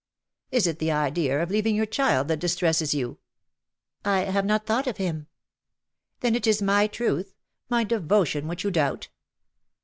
^^" Is it the idea of leaving your child that distresses you?^^ " I have not thought of him/^ " Then it is my truth — my devotion which you doubt